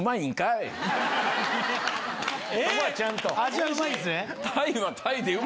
味はうまいんすね？